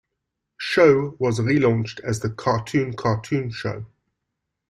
Show" was relaunched as "The Cartoon Cartoon Show".